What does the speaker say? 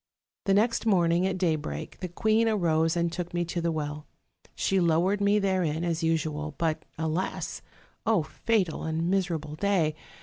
The next morning at daybreak, the queen arose and took me to the well. She lowered me therein, as usual, but, alas! fatal and miserable day!